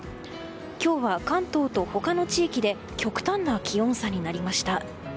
今日は関東と他の地域で極端な気温差になりました。